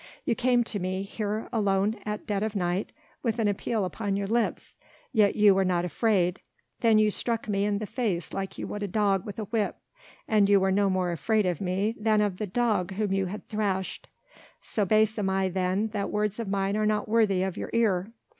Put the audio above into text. you came to me, here, alone at dead of night with an appeal upon your lips, yet you were not afraid, then you struck me in the face like you would a dog with a whip, and you were no more afraid of me than of the dog whom you had thrashed. So base am I then that words of mine are not worthy of your ear.